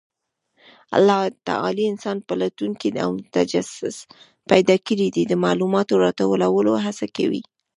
الله تعالی انسان پلټونکی او متجسس پیدا کړی دی، د معلوماتو راټولولو هڅه کوي.